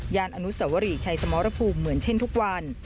อนุสวรีชัยสมรภูมิเหมือนเช่นทุกวัน